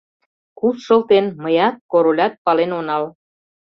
Куш шылтен — мыят, Королят пален онал.